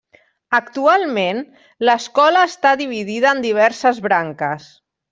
Actualment, l'escola està dividida en diverses branques.